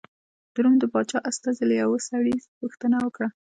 د روم د پاچا استازي له یوه سړي پوښتنه وکړه.